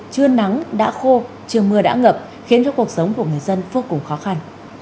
trưa nắng đã khô trưa mưa đã ngập khiến cho cuộc sống của người dân vô cùng khó khăn